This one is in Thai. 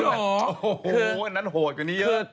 โอ้โหอันนั้นโหดกว่านี้เยอะ